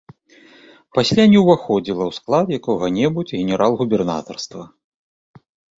Пасля не ўваходзіла ў склад якога-небудзь генерал-губернатарства.